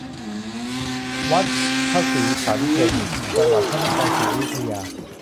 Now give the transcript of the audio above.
วัดพระศรีสรรเพชญ์ จังหวัดพระนครศรีอยุธยา